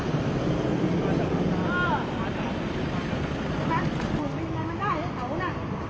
เพื่อนตายก่อนถ้าไม่ได้บอกวิธีสุขภาพของคน